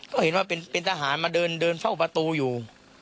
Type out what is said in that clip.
ก็เห็นว่าเป็นทหารมาเดินเฝ้าประตูอยู่